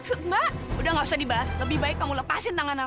sampai jumpa di video selanjutnya